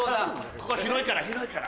ここ広いから広いから。